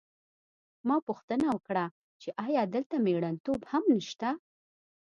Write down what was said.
ما پوښتنه وکړه چې ایا دلته مېړنتوب هم نشته